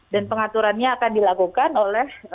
dan pengaturannya akan dilakukan oleh